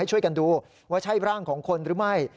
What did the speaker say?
ช่วยกันดูว่าใช่ร่างของคนหรือไม่